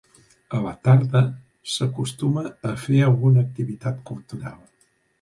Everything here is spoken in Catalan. A la tarda, s'acostuma a fer alguna activitat cultural.